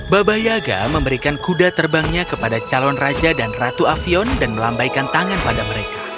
babah yaga memberikan kuda terbangnya kepada calon raja dan ratu avion dan melambaikan tangan pada mereka